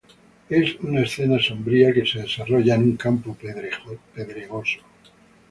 Es una escena sombría que se desarrolla en un campo pedregoso.